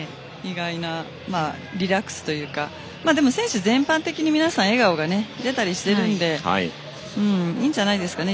リラックスというか選手、全般的に笑顔が出たりしているのでいいんじゃないですかね。